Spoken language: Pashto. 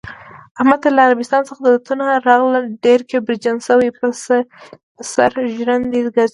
احمد ته له عربستان څخه دولتونه راغلل، ډېر کبرجن شوی، په سر ژرندې ګرځوی.